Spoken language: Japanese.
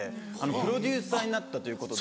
プロデューサーになったということで。